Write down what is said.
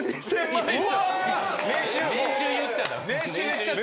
年収言っちゃった。